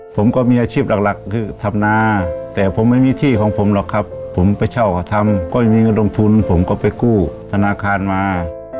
ผมก็มีอาชีพหลักคือทำนาแต่ผมไม่มีที่ของผมหรอกครับผมไปเช่าเขาทำก็ไม่มีเงินลงทุนผมก็ไปกู้ธนาคารมา